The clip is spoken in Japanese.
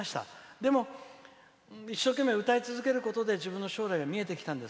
でも、一生懸命歌い続けることで自分の将来が見えてきたんです。